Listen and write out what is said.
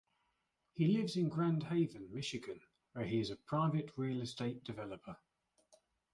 He lives in Grand Haven, Michigan where he is a private real estate developer.